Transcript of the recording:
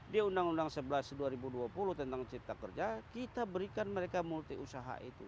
di undang undang sebelas dua ribu dua puluh tentang cipta kerja kita berikan mereka multi usaha itu